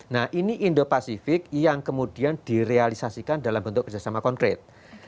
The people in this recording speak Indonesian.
nah ini indo pasifik yang kemudian direalisasikan dalam bentuk kerjasama konkret